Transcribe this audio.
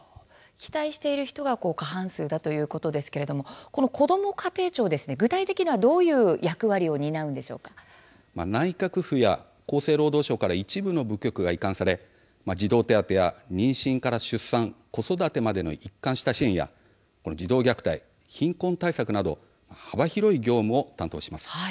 期待している人が過半数だということですがこの、こども家庭庁具体的には、どういう役割を内閣府や厚生労働省から一部の部局が移管され児童手当や妊娠から出産子育てまでの一貫した支援や児童虐待、貧困対策など幅広い業務を担当します。